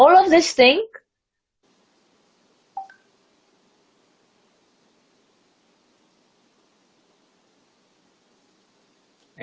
semua hal ini